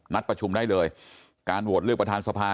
ประชุมได้เลยการโหวตเลือกประธานสภา